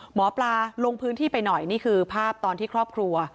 หมอปลาลงพื้นที่ไปหน่อยนี่คือภาพตอนที่ครอบครัว